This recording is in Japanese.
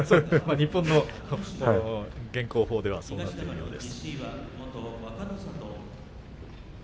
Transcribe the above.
日本の現行法ではそうなっているようです。